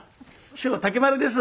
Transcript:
「師匠竹丸です。